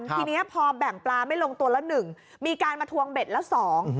ทีนี้พอแบ่งปลาไม่ลงตัวแล้วหนึ่งมีการมาทวงเบ็ดแล้วสอง